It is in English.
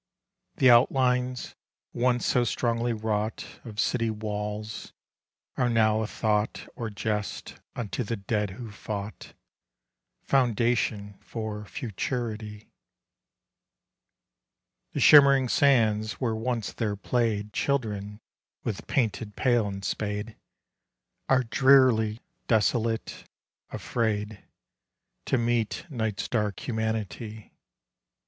The outlines, once so strongly wrought, Of city walls, are now a thought Or jest unto the dead who fought ... Foundation for futurity. The shimmering sands where once there played Children with painted pail and spade Are drearly desolate, — afraid To meet Night's dark humanity, 23 ^Therefore is the name of it called Babel.'